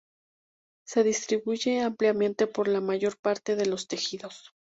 Se distribuye ampliamente por la mayor parte de los tejidos.